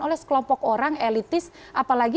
oleh sekelompok orang elitis apalagi